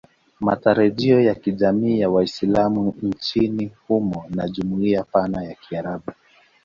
Matarajio ya kijamii ya Waislamu nchini humo na jumuiya pana ya Kiarabu